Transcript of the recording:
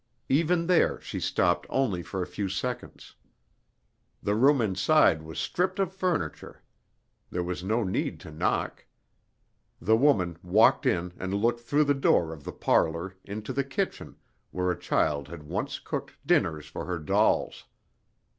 Even there she stopped only for a few seconds. The room inside was stripped of furniture. There was no need to knock. The woman walked in and looked through the door of the "parlor" into the kitchen where a child had once cooked dinners for her dolls.